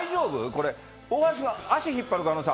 これ、大橋君、足引っ張る可能性